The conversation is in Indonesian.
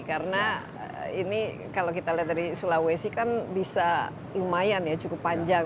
karena ini kalau kita lihat dari sulawesi kan bisa lumayan ya cukup panjang